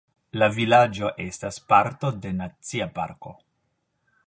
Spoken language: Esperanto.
La vilaĝo estas parto de Nacia parko.